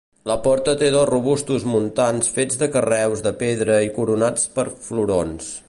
La porta té dos robustos muntants fets de carreus de pedra i coronats per florons.